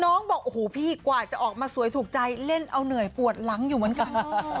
บอกโอ้โหพี่กว่าจะออกมาสวยถูกใจเล่นเอาเหนื่อยปวดหลังอยู่เหมือนกัน